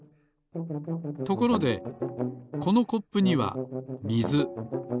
ところでこのコップにはみず。